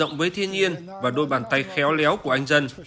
rộng với thiên nhiên và đôi bàn tay khéo léo của anh dân